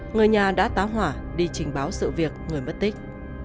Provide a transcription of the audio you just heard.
người nhà đã táo hỏa đi trình báo sự việc người mất tích